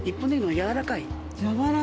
やわらかい。